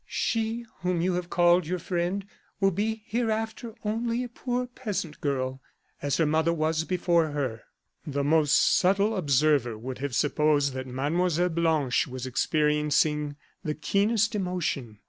She whom you have called your friend, will be, hereafter, only a poor peasant girl, as her mother was before her.'" The most subtle observer would have supposed that Mlle. Blanche was experiencing the keenest emotion.